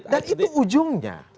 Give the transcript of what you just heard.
dan itu ujungnya